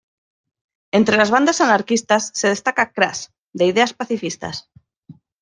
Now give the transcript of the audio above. Entre las bandas anarquistas, se destaca Crass, de ideas pacifistas.